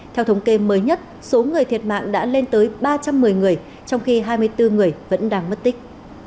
theo thống kê mới nhất số người thiệt mạng đã lên tới ba trăm một mươi người trong khi hai mươi bốn người vẫn đang mất tích